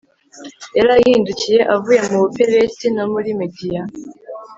yari ahindukiye avuye mu buperisi no muri mediya